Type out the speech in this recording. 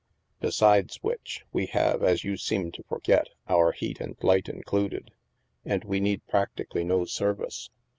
Beside which, we have, as you seem to forget, our heat and light included. And we need practically no service.